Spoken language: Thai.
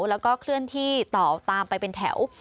แล้วก็เคลื่อนที่ต่อตามไปเป็นแถว